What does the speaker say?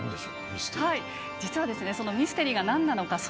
実は、そのミステリーがなんなのか。